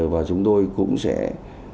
và chúng tôi cũng sẽ cố gắng